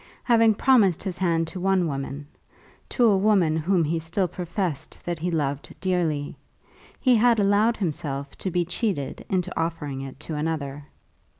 Having promised his hand to one woman, to a woman whom he still professed that he loved dearly, he had allowed himself to be cheated into offering it to another.